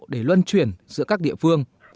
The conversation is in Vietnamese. để luân chuyển giữa các địa phương